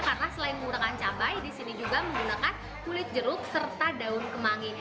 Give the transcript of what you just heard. karena selain menggunakan cabai di sini juga menggunakan kulit jeruk serta daun kemangi